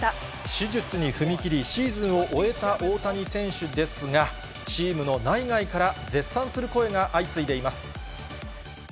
手術に踏み切り、シーズンを終えた大谷選手ですが、チームの内外から絶賛する声が相次いでいます。